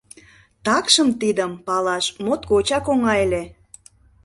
Такшым тидым палаш моткочак оҥай ыле...